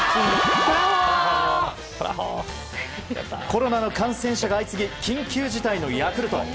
コロナの感染者が相次ぎ緊急事態のヤクルト。